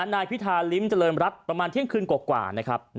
นายพิธาลิมเจริมรัฐประมาณเที่ยงคืนกว่า